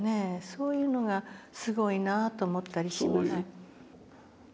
そういうのがすごいなと思ったりします。